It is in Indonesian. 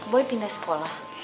boy pindah sekolah